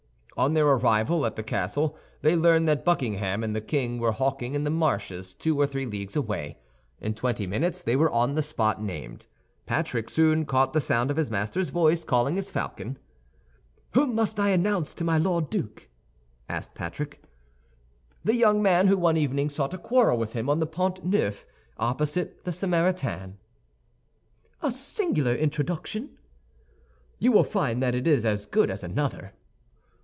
On their arrival at the castle they learned that Buckingham and the king were hawking in the marshes two or three leagues away. In twenty minutes they were on the spot named. Patrick soon caught the sound of his master's voice calling his falcon. "Whom must I announce to my Lord Duke?" asked Patrick. "The young man who one evening sought a quarrel with him on the Pont Neuf, opposite the Samaritaine." "A singular introduction!" "You will find that it is as good as another."